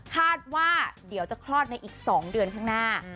คาดว่าเดี๋ยวจะพลาดหลังอีกสองเดือนขึ้นหน้า